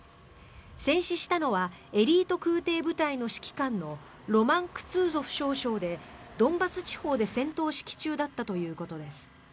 戦死したのはエリート空挺部隊の指揮官のロマン・クツーゾフ少将でドンバス地方で戦闘指揮中だったということです。